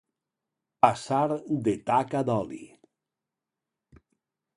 Passar de taca d'oli.